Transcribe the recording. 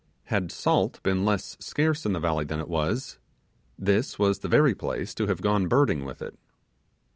Had salt been less scarce in the valley than it was, this was the very place to have gone birding with it.